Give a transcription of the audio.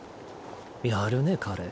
やるね彼。